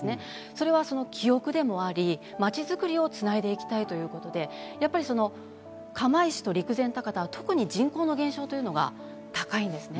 それは記憶でもあり、街づくりをつないでいきたいということで、釜石と陸前高田は特に人口の減少というのが高いんですね。